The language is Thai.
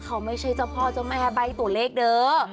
เขาไม่ใช่เจ้าพ่อเจ้าแม่ใบ้ตัวเลขเด้อ